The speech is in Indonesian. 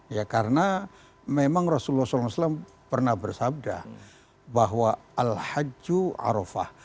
ya karena memang rasulullah saw pernah bersabda bahwa al haju arafah